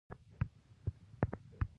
د اړیکو له لارې